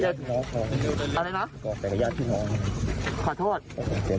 อันนี้เราก็เตรียมการมาก่อนไหมครับ